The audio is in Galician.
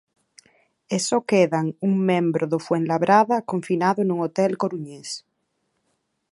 E só quedan un membro do Fuenlabrada confinado nun hotel coruñés.